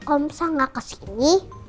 om sal gak kesini